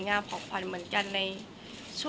คนเราถ้าใช้ชีวิตมาจนถึงอายุขนาดนี้แล้วค่ะ